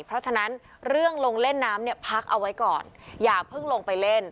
เพราะฉะนั้นเรื่องลงเล่นน้ำเนี่ยพักเอาไว้ก่อนอย่าเพิ่งลงไปเล่น